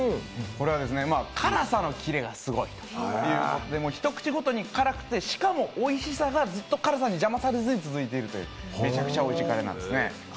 これは辛さのキレがすごいということで一口ごとに辛くてしかもおいしさがずっと辛さに邪魔されずに続いているというめちゃくちゃおいしいカレーなんですね。